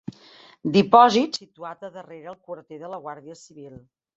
Dipòsit situat a darrere el quarter de la Guàrdia civil.